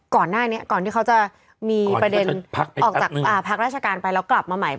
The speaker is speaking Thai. ก่อนหน้านี้ก่อนที่เขาจะมีประเด็นออกจากพักราชการไปแล้วกลับมาใหม่